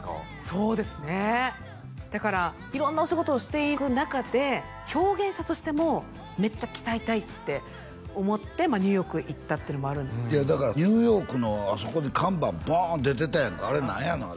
そうですねだから色んなお仕事をしていく中で表現者としてもめっちゃ鍛えたいって思ってニューヨーク行ったっていうのもあるんですいやだからニューヨークのあそこに看板ボーン出てたやんかあれ何やの？